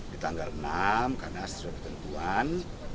di tanggal enam karena sesuai ketentuan